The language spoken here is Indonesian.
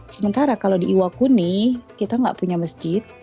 sementara kalau di iwakuni kita nggak punya masjid